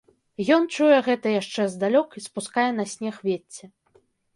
Ён чуе гэта яшчэ здалёк і спускае на снег вецце.